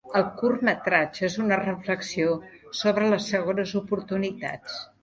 El curtmetratge és una reflexió sobre les segones oportunitats.